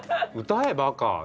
「歌えばか！」